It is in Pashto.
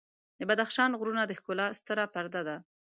د بدخشان غرونه د ښکلا ستره پرده ده.